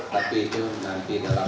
tapi itu nanti dalam